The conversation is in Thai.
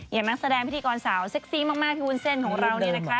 นักแสดงพิธีกรสาวเซ็กซี่มากพี่วุ้นเส้นของเรานี่นะคะ